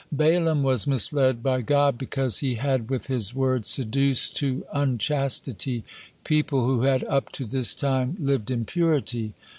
Balaam was misled by God because he had with his words seduced to unchastity people who had up to his time lived in purity.